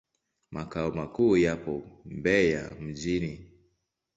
Makao makuu yapo Mbeya mjini.